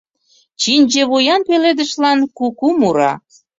Чинче вуян пеледышлан куку мура.